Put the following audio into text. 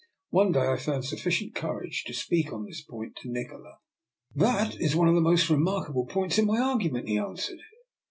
One day I found sufficient courage to speak on this point to Nikola. " That is one of the most remarkable points in my argument," he answered.